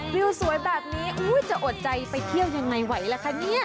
วิวสวยแบบนี้จะอดใจไปเที่ยวยังไงไหวล่ะคะเนี่ย